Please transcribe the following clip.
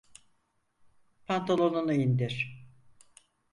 Pantolonunu indir.